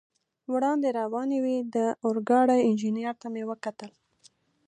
وړاندې روانې وې، د اورګاډي انجنیر ته مې وکتل.